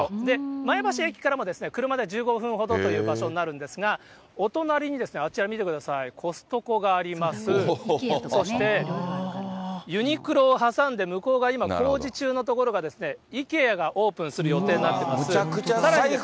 前橋駅からも車で１５分ほどという場所になるんですが、お隣にあちら見てください、コストコがあります、そして、ユニクロを挟んで向こう側、今工事中の所がイケアがオープンする予定になってます。